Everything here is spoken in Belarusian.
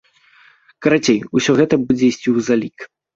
Карацей, усё гэта будзе ісці ў залік.